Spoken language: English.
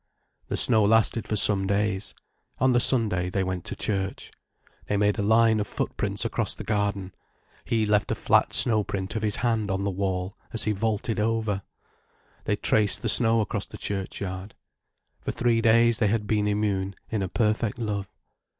The snow lasted for some days. On the Sunday they went to church. They made a line of footprints across the garden, he left a flat snowprint of his hand on the wall as he vaulted over, they traced the snow across the churchyard. For three days they had been immune in a perfect love.